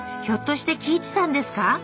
ひょっとして喜一さんですか？